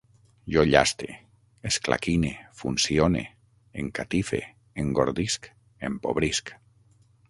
Jo llaste, esclaquine, funcione, encatife, engordisc, empobrisc